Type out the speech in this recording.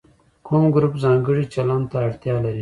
کوم ګروپ ځانګړي چلند ته اړتیا لري.